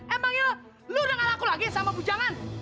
emang ini lu udah gak laku lagi sama bu jangan